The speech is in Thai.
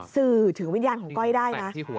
สื่อถึงวิญญาณของก้อยได้นะ